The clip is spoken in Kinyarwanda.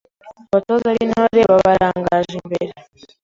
Abatoza b’Intore babarangaje imbere